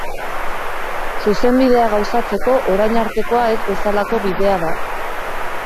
Zuzenbidea gauzatzeko orain artekoa ez bezalako bidea da.